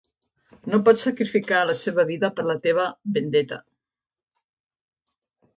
No pots sacrificar la seva vida pela teva "vendetta"!